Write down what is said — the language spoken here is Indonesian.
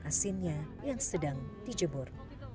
ikan asinnya yang sedang dijebur